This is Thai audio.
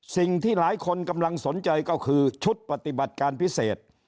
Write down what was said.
สิ่งที่หลายคนกำลังสนใจก็คือชุดปฏิบัติการพิเศษ